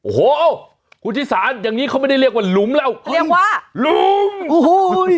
โอ้โหคุณชิสานอย่างงี้เขาไม่ได้เรียกว่าหลุมแล้วเรียกว่าหลุมโอ้โห